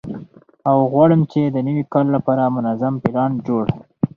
او غواړم چې د نوي کال لپاره منظم پلان جوړ